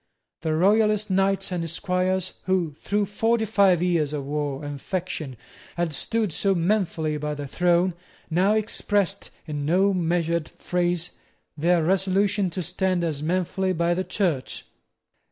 The royalist knights and esquires who, through forty five years of war and faction, had stood so manfully by the throne, now expressed, in no measured phrase, their resolution to stand as manfully by the Church.